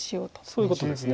そういうことです。